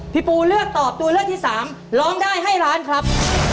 พี่ปูเลือกตอบตัวเลือกที่สามร้องได้ให้ล้านครับ